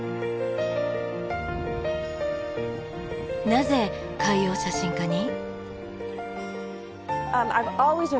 なぜ海洋写真家に？